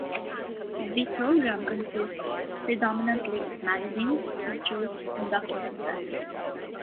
The program consists predominantly of magazines, features and documentaries.